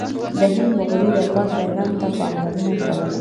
د هند مغلي دربار شاعرانو ته پاملرنه کوله